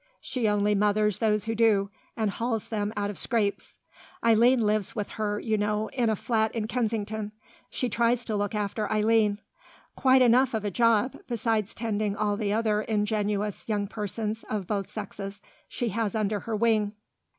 She only mothers those who do, and hauls them out of scrapes. Eileen lives with her, you know, in a flat in Kensington. She tries to look after Eileen. Quite enough of a job, besides tending all the other ingenuous young persons of both sexes she has under her wing."